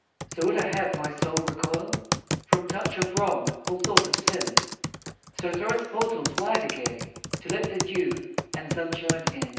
So would I have my soul recoil From touch of wrong or thought of sin; So throw its portals wide again, To let the dew and sunshine in.